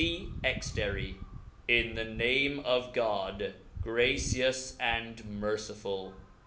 See Exteri. IN the name of Cod, gracious and merciful.